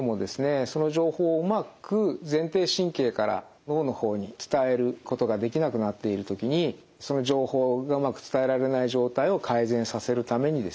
その情報をうまく前庭神経から脳の方に伝えることができなくなっている時にその情報をうまく伝えられない状態を改善させるためにですね